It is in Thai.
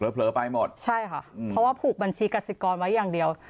เพราะว่าผูกบัญชีกษิกรไว้อย่างเดียว